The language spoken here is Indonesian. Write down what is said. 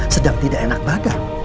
sedang tidak enak badan